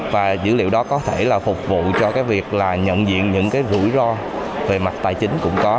và dữ liệu đó có thể là phục vụ cho cái việc là nhận diện những cái rủi ro về mặt tài chính cũng có